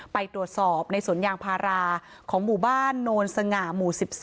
ไปตรวจสอบในสวนยางพาราของหมู่บ้านโนนสง่าหมู่๑๔